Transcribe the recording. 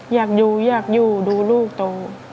อยากอยู่อยากอยู่ดูลูกโต